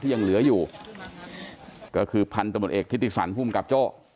ยังเหลืออยู่ก็คือพันธมตเอกทิติสันภูมิกับโจ้